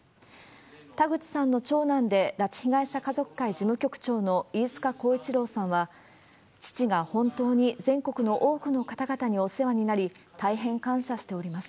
田口さんの長男で拉致被害者家族会事務局長の飯塚耕一郎さんは、父が本当に全国の多くの方々にお世話になり、大変感謝しております。